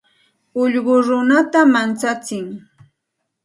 Alluqu runata manchatsin.